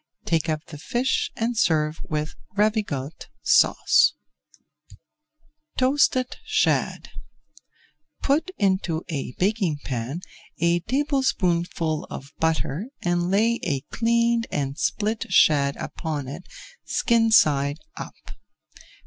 Take up the fish and serve with Ravigote Sauce. [Page 334] TOASTED SHAD Put into a baking pan a tablespoonful of butter and lay a cleaned and split shad upon it, skin side up.